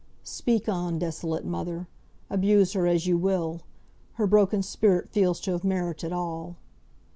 Speak on, desolate mother! Abuse her as you will. Her broken spirit feels to have merited all.